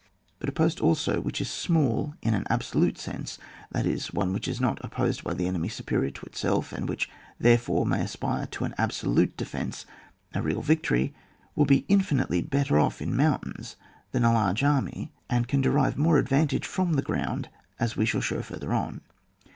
But a post also which is small in an absolute sense, that is, one which is not opposed by an enemy superior to itself, and which, therefore, may aspire to an absolute defence, a real victory, will be infinitely better off in mountains than a large army, and can derive more ad vantage from the ground as we shall show further on.